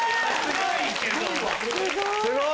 すごい。